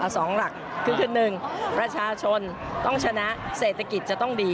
สองหลักคือ๑ประชาชนต้องชนะเศรษฐกิจจะต้องดี